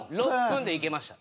６分でいけました。